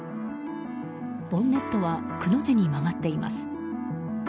ボンネットはくの字に曲がっています。